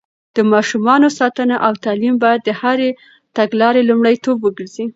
د ماشومانو ساتنه او تعليم بايد د هرې تګلارې لومړيتوب وګرځي.